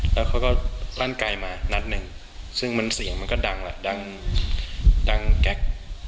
แล้วเขาก็ลั่นไกลมานัดนึงซึ่งเสียงมันก็ดังแก๊ก